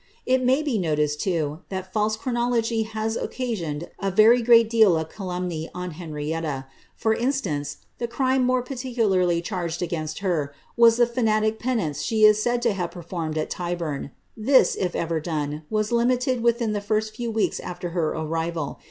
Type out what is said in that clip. It may be noticed, too, that falie chronology has occasioned a very great deal of calumny on Hen rietta ; for instance, the crime more particularly charged against her, was the iarmtic penance she is said to have performed at Tyburn. This, if erer done, was limited within the first few weeks afler her arrival.